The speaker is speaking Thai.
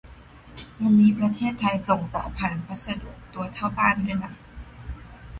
วันนี้ประเทศไทยส่งเต่าผ่านพัสดุ ตัวเท่าบ้านด้วยนะ